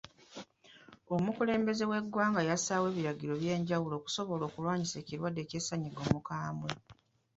Omukulemelembeze w'eggwanga yassaawo ebiragiro eby'enjawulo okusobola okulwanyisa ekirwadde kya ssennyiga omukambwe.